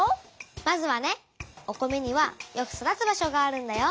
まずはねお米にはよく育つ場所があるんだよ。